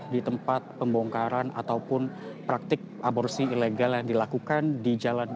di tempat pembongkaran ataupun praktik aborsi ilegal yang dilakukan di jalan